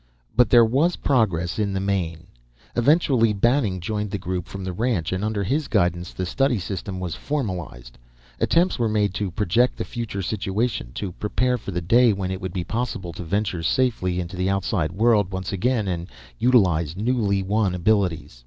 But there was progress, in the main. Eventually Banning joined the group, from the ranch, and under his guidance the study system was formalized. Attempts were made to project the future situation, to prepare for the day when it would be possible to venture safely into the outside world once again and utilize newly won abilities.